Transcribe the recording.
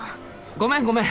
ごめんごめん。